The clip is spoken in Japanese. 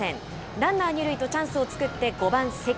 ランナー２塁とチャンスを作って、５番関。